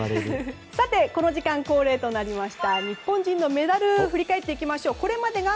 この時間、恒例となりました日本人のメダルを振り返りましょう。